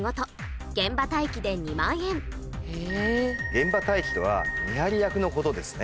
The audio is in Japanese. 「現場待機」とは見張り役のことですね。